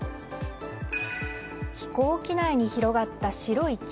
飛行機内に広がった白い霧。